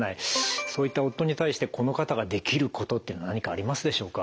そういった夫に対してこの方ができることって何かありますでしょうか？